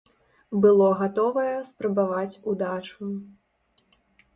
Было гатовае спрабаваць удачу.